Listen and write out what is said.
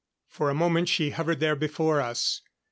For a moment she hovered there before us.